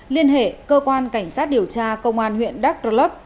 liên hệ cơ quan cảnh sát điều tra công an huyện đắk rơ lấp